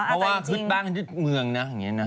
เพราะว่าขึ้นบ้านขึ้นเมืองนะ